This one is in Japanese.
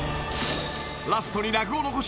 ラストにラグを残し